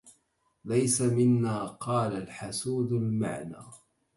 ليس منا قال الحسود المعنى